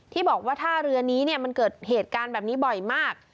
ที่บอกว่าท่าเรือนี้มันเกิดเหตุการณ์แบบนี้บ่อยมาก